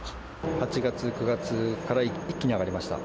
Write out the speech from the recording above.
８月、９月から一気に上がりました。